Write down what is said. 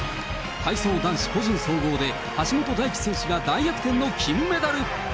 体操男子個人総合で橋本大輝選手が大逆転の金メダル。